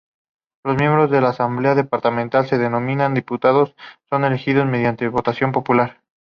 Los miembros de la Asamblea Departamental se denominan diputados, son elegidos mediante votación popular.